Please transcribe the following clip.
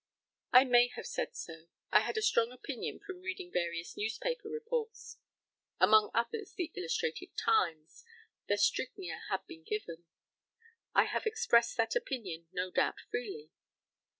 I may have said so. I had a strong opinion from reading various newspaper reports among others the Illustrated Times, that strychnia had been given. I have expressed that opinion, no doubt, freely.